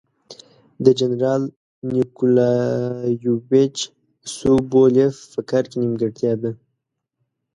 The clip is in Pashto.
د جنرال نیکولایویچ سوبولیف په کار کې نیمګړتیا ده.